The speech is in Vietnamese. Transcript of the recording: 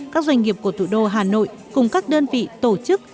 các doanh nghiệp của thủ đô hà nội cùng các đơn vị tổ chức